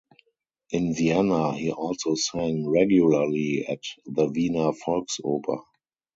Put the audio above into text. In Vienna he also sang regularly at the Wiener Volksoper.